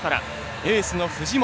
エースの藤本。